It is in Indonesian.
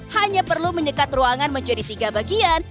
hanya perlu menyekat ruangan menjadi tiga bagian